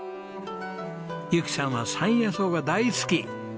由紀さんは山野草が大好き。